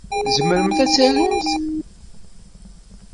Tzemremt ad tarumt?